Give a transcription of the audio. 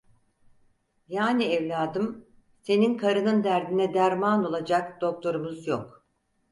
Yani evladım, senin karının derdine derman olacak doktorumuz yok.